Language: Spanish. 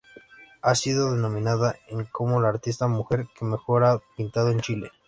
Ha sido denominada en como la "artista mujer que mejor ha pintado en Chile".